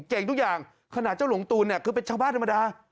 เก่งทุกอย่างขณะเจ้าหลวงตูนเนี่ยคือเป็นชาวบ้านธรรมดา